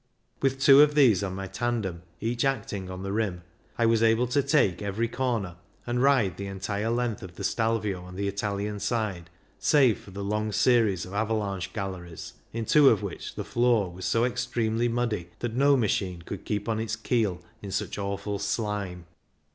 With two of these on my tandem, each acting on the rim, I was able to take every corner and ride the entire length of the Stelvio on the Italian side, save for the long series of avalanche galleries, in two of which the floor was so extremely muddy that no machine could keep on its keel in such awful slime.